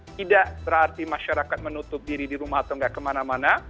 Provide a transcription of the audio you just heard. tidak berarti masyarakat menutup diri di rumah atau tidak kemana mana